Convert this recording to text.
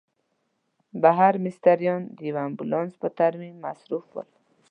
بهر مستریان د یوه امبولانس په ترمیم مصروف ول.